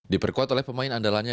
diperkuat oleh pemain andalannya